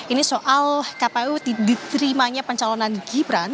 ini soal kpu diterimanya pencalonan gibran